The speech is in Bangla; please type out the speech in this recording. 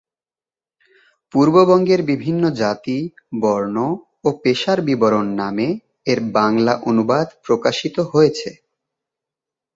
পূর্ববঙ্গের বিভিন্ন জাতি, বর্ণ ও পেশার বিবরণ নামে এর বাংলা অনুবাদ প্রকাশিত হয়েছে।